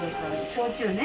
焼酎ね。